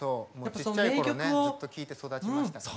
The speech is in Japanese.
ちっちゃい頃ねずっと聴いて育ちましたから。